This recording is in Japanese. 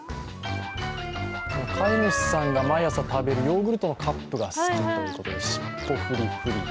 飼い主さんが毎朝食べるヨーグルトのカップが好きだということで、尻尾フリフリ。